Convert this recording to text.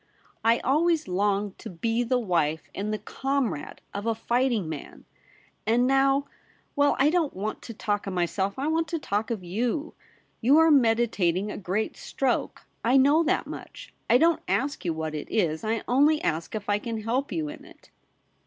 I always longed to be the wife and the comrade of a fighting man ; and now — well, I don't want to talk of myself, I want to talk of you. You are meditating a great stroke. I know that much. I don't ask you what it Is ; I only ask if I can help you in it.'